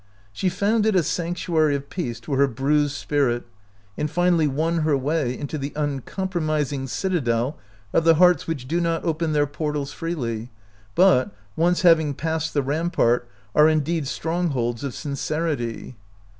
She found it a sanctuary of peace to her bruised spirit, and finally won her way into the uncom promising citadel of the hearts which do not open their portals freely, but, once having passed the rampart, are indeed strongholds of sincerity.